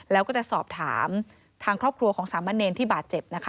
แล้วก็จะสอบถามทางครอบครัวของสามะเนรที่บาดเจ็บนะคะ